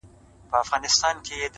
• هغه مړ له مــسته واره دى لوېـدلى،